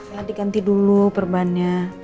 nanti ganti dulu perbannya